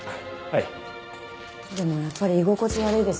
でもやっぱり居心地悪いです。